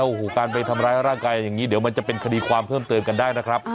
โอ้โหการไปทำร้ายร่างกายอย่างนี้เดี๋ยวมันจะเป็นคดีความเพิ่มเติมกันได้นะครับ